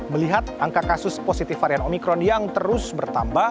melihat angka kasus positif varian omikron yang terus bertambah